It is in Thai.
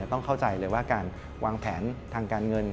ต้องเข้าใจเลยว่าการวางแผนทางการเงิน